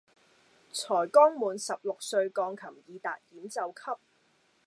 才剛滿十六歲鋼琴己逹演奏級